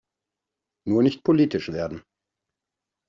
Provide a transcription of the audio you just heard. Nur nicht politisch werden!